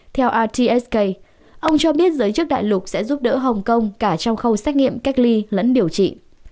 theortsk ông cho biết giới chức đại lục sẽ giúp đỡ hồng kông cả trong khâu xét nghiệm cách ly lẫn điều trị